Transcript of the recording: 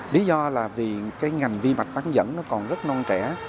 lý do là vì ngành vi mạch bán dẫn còn rất non trẻ